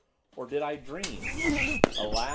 or did I dream? Alas?